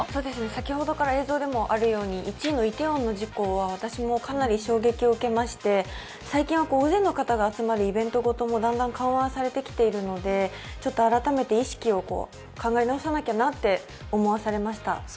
先ほどから映像でもあるように、１位のイテウォンの事故は私もかなり衝撃を受けまして、最近は大勢の人が集まるイベントごともだんだん緩和されてきているので改めて意識を考え直さなきゃなと思わされました。